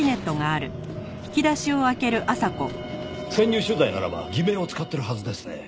潜入取材ならば偽名を使ってるはずですね。